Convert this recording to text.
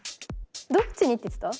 どっちにって言ってた？